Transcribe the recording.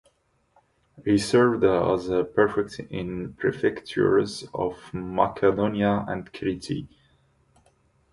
He served as prefect in prefectures of Macedonia and Crete.